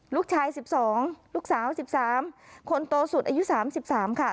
ลูกชาย๑๒ลูกสาว๑๓คนโตสุดอายุ๓๓ค่ะ